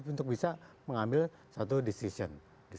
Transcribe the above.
untuk bisa mengambil satu decision